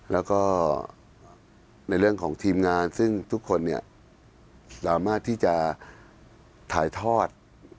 แล้วก็ในเรื่องของทีมงานซึ่งทุกคนเนี่ยสามารถที่จะถ่ายทอด